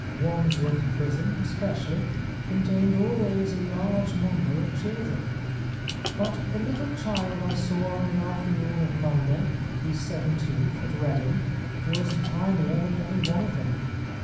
Wandsworth Prison, especially, contained always a large number of children. But the little child I saw on the afternoon of Monday, the 17th, at Reading, was tinier than any one of them.